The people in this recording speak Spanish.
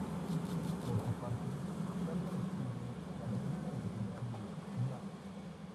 Por su parte, Sandra descubre la verdadera identidad de Joan.